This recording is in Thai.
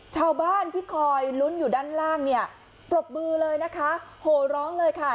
ชาวบ้านที่คอยลุ้นอยู่ด้านล่างเนี่ยปรบมือเลยนะคะโหร้องเลยค่ะ